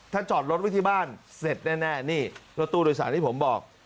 ถ้าจอดรถไว้ที่บ้านเสร็จแน่นี่รถตู้โดยสารที่ผมบอก